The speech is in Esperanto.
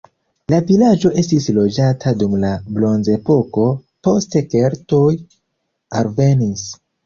La vilaĝo estis loĝata dum la bronzepoko, poste keltoj alvenis.